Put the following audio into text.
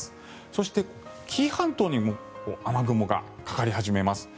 そして、紀伊半島にも雨雲がかかり始めます。